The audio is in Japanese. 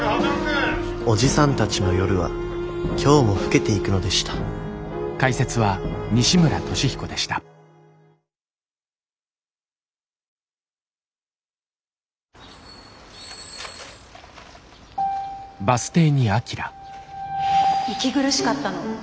おじさんたちの夜は今日も更けていくのでした息苦しかったの。